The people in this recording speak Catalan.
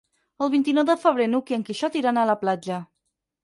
El vint-i-nou de febrer n'Hug i en Quixot iran a la platja.